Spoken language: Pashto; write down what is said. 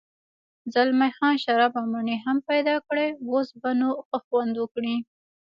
زلمی خان شراب او مڼې هم پیدا کړې، اوس به نو ښه خوند وکړي.